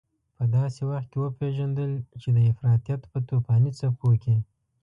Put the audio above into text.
په داسې وخت کې وپېژندل چې د افراطيت په توپاني څپو کې.